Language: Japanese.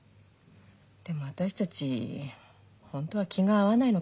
でも私たち本当は気が合わないのかもしれないな。